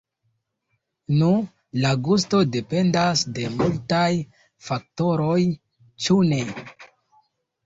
Nu, la gusto dependas de multaj faktoroj, ĉu ne?